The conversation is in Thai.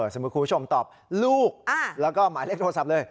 คุณผู้ชมตอบลูกแล้วก็หมายเลขโทรศัพท์เลย